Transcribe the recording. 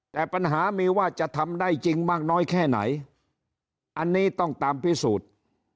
แต่ปัญหามีว่าจะทำได้จริงมากน้อยแค่ไหนอันนี้ต้องตามพิสูจน์